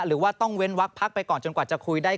หรือว่าต้องเว้นวักพักไปก่อนจนกว่าจะคุยได้